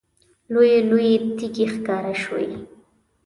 لویې لویې تیږې ښکاره شوې.